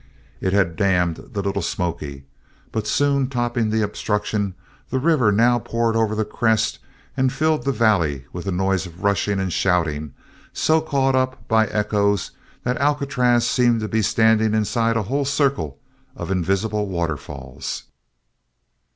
It had dammed the Little Smoky, but soon topping the obstruction, the river now poured over the crest and filled the valley with a noise of rushing and shouting so caught up by echoes that Alcatraz seemed to be standing inside a whole circle of invisible waterfalls.